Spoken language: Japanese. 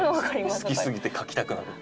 好きすぎて描きたくなるって。